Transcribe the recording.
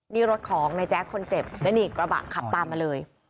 นี่รถของในแจ๊คคนเจ็บและนี่กระบะขับตามมาเลย